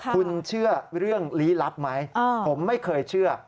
คุณเชื่อเรื่องลี้ลับไหมผมไม่เคยเชื่อ